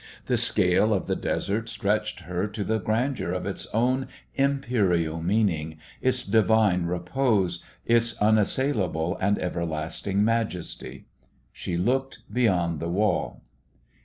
The scale of the desert stretched her to the grandeur of its own imperial meaning, its divine repose, its unassailable and everlasting majesty. She looked beyond the wall.